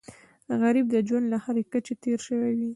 غریب د ژوند له هرې کچې تېر شوی وي